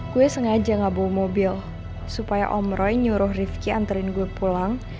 gue sengaja gak bawa mobil supaya om roy nyuruh rifki anterin gue pulang